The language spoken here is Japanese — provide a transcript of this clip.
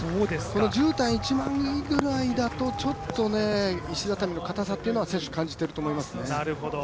じゅうたん１枚ぐらいだとちょっと石畳のかたさというのは、選手、感じていると思いますね。